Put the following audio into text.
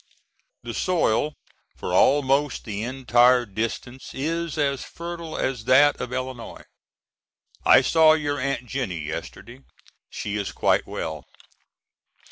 The soil for almost the entire distance is as fertile as that of Illinois. I saw your Aunt Jennie yesterday. She is quite well.